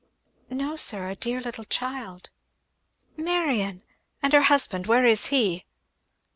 "No sir, a dear little child." "Marion! and her husband where is he?"